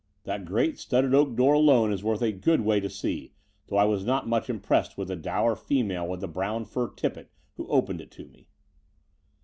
That great studded oak door alone is worth going a good way to see, though I was not much impressed with the dour female with the brown fur tippet, who opened it to me."